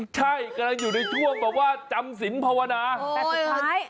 ใช่กำลังอยู่ในช่วงแบบว่าจำสินภาวนาแต่สุดท้าย